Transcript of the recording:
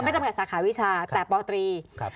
จำกัดสาขาวิชาแต่ปตรี